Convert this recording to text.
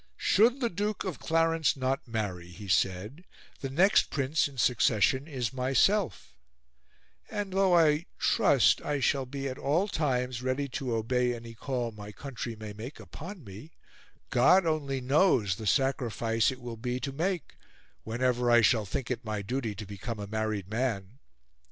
"Should the Duke of Clarence not marry," he said, "the next prince in succession is myself, and although I trust I shall be at all times ready to obey any call my country may make upon me, God only knows the sacrifice it will be to make, whenever I shall think it my duty to become a married man.